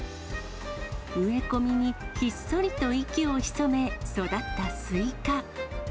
植え込みにひっそりと息を潜め、育ったスイカ。